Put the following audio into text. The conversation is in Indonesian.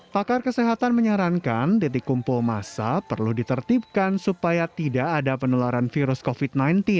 pakar kesehatan menyarankan titik kumpul masa perlu ditertibkan supaya tidak ada penularan virus covid sembilan belas